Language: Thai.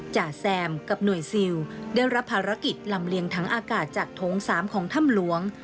จ่าแซมกับหน่วยซิลได้รับภารกิจลำเลียงทั้งอากาศจากโถง๓ของถ้ำหลวง